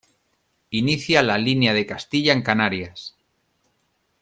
Inicia la Línea de Castilla en Canarias.